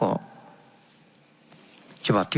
เป็นของสมาชิกสภาพภูมิแทนรัฐรนดร